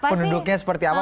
penduduknya seperti apa